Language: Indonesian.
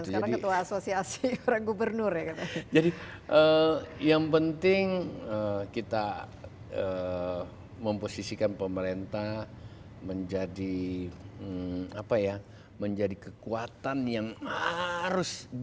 jadi yang penting kita memposisikan pemerintah menjadi apa ya menjadi kekuatan yang harus